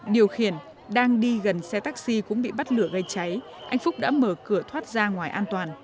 điều khiển đang đi gần xe taxi cũng bị bắt lửa gây cháy anh phúc đã mở cửa thoát ra ngoài an toàn